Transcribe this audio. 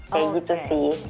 kayak gitu sih